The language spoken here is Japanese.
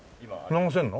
流せるの？